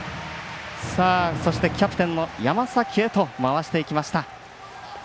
そして、キャプテンの山崎へと回していきました。